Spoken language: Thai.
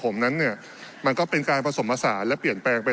ผมนั้นเนี่ยมันก็เป็นการผสมผสานและเปลี่ยนแปลงไป